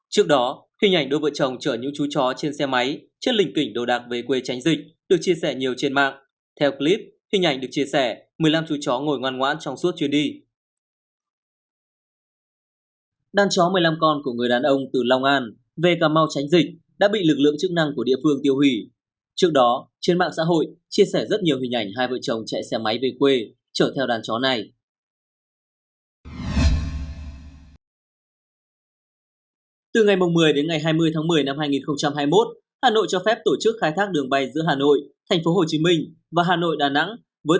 thời gian áp dụng từ ngày một mươi đến ngày hai mươi tháng một mươi